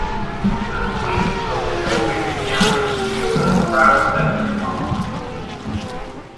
The sweep of the television cameras showed a crowd that was calm.